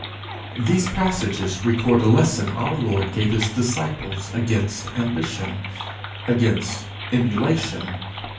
These passages record a lesson our Lord gave his disciples against ambition, against emulation.